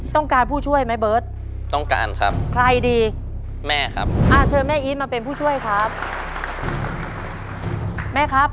ต้องการผู้ช่วยไหมเบิร์ด